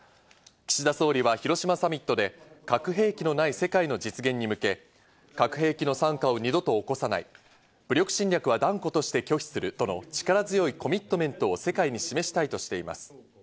岸田総理は広島サミットで核兵器のない世界の実現に向け、核兵器の惨禍を二度と起こさない、武力侵略は断固として拒否するとの力強いコミットメントを世界に示したいとしています。